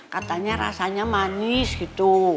katanya rasanya manis gitu